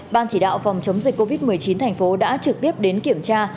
ban chỉ đạo phòng chống dịch covid một mươi chín tp đồng xoài đã trực tiếp đến kiểm tra